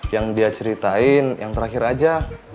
yang dia ceritain yang terakhir aja